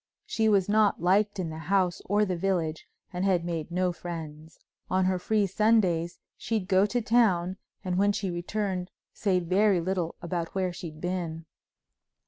She was not liked in the house or the village and had made no friends. On her free Sundays she'd go to town and when she returned say very little about where she'd been.